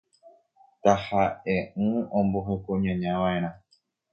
Taha’e’ỹ ombohekoñañava’erã